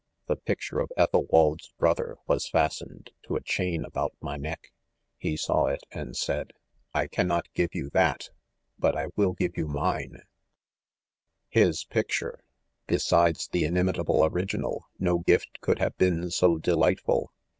The picture of Ethelwald' s bro ther was fastened to a chain about my neck $ he saw it and said, " I cannot give you that y but I will give you mine" His picture ! be sides the inimitable original, no gift could have been so delightful.